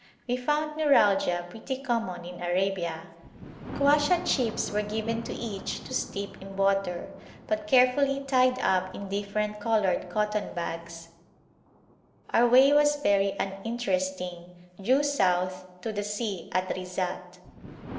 We found neuralgia pretty common in Arabia. Quassia chips were given to each to steep in water, but carefully tied up in different coloured cotton bags. Our way was very uninteresting, due south to the sea at Rizat.